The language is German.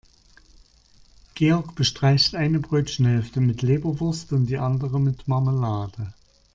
Georg bestreicht eine Brötchenhälfte mit Leberwurst und die andere mit Marmelade.